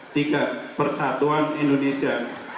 tiga persatuan indonesia